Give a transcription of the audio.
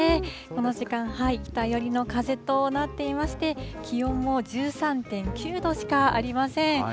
この時間、北寄りの風となっていまして、気温も１３．９度しかありません。